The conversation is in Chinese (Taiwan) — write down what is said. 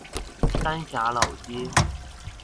三峽老街